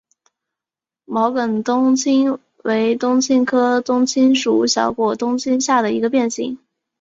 毛梗冬青为冬青科冬青属小果冬青下的一个变型。